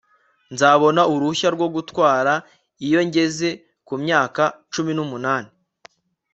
Nzabona uruhushya rwo gutwara iyo ngeze ku myaka cumi numunani